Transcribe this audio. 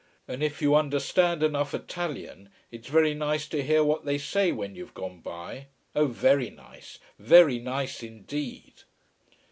And if you understand enough Italian, it's very nice to hear what they say when you've gone by. Oh very nice. Very nice indeed!"